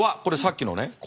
これさっきのね